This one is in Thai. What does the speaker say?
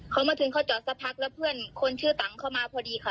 เขามาถึงเขาจอดสักพักแล้วเพื่อนคนชื่อตังค์เข้ามาพอดีค่ะ